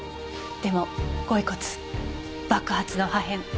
でも御遺骨爆発の破片火薬。